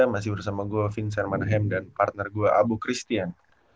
masih bersama gue vincermanhem dan partner gue abu christian